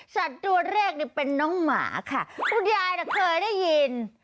สัตว์ตัวแรกนี่เป็นน้องหมาค่ะคุณยายน่ะเคยได้ยิน